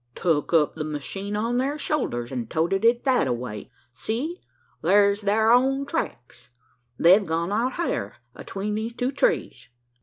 "Tuk up the machine on thar shoulders, an' toted it thataway! See! thar's thar own tracks! They've gone out hyar atween these two trees."